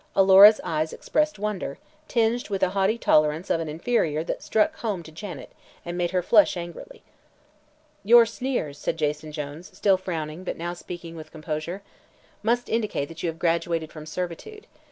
Alora's eyes expressed wonder, tinged with a haughty tolerance of an inferior that struck home to Janet and made her flush angrily. "Your sneers," said Jason Jones, still frowning but now speaking with composure, "must indicate that you have graduated from servitude.